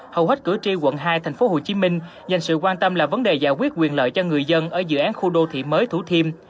hầu hết cử tri quận hai tp hcm dành sự quan tâm là vấn đề giải quyết quyền lợi cho người dân ở dự án khu đô thị mới thủ thiêm